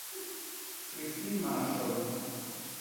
Christine Marshall